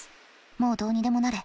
もうどうにでもなれ。